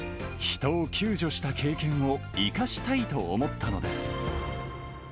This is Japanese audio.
人を救助した経験を生かしたいと思ったのです。